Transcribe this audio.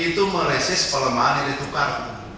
itu meresis pelemahan yang ditukar